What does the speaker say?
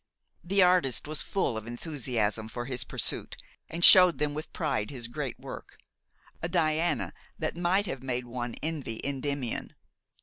The artist was full of enthusiasm for his pursuit, and showed them with pride his great work, a Diana that might have made one envy Endymion.